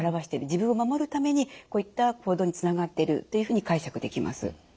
自分を守るためにこういった行動につながってるというふうに解釈できます。